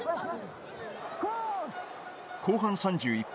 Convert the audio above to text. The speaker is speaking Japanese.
後半３１分。